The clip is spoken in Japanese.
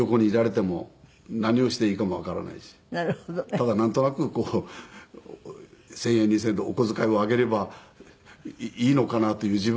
ただなんとなく１０００円２０００円とお小遣いをあげればいいのかなという自分がいて。